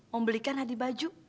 mau belikan adi baju